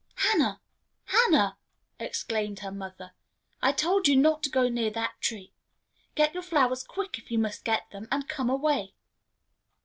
"Hannah! Hannah!" exclaimed her mother; "I told you not to go near that tree! Get your flowers quick, if you must get them, and come away."